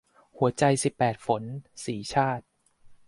หัวใจสิบแปดฝน - สีชาติ